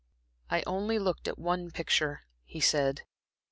"I only looked at one picture," he said.